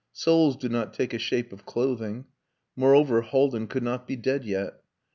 Souls do not take a shape of clothing. Moreover, Haldin could not be dead yet.